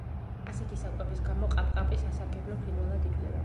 ასეთი საკვების გამო ყაპყაპი სასარგებლო ფრინველად ითვლება.